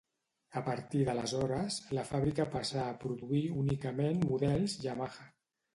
A partir d'aleshores, la fàbrica passà a produir únicament models Yamaha.